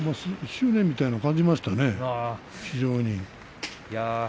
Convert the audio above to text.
執念みたいなものを感じましたね、非常に。